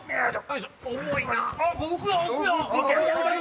重いな。